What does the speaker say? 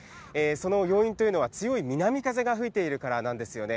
その要因というのは、強い南風が吹いているからなんですよね。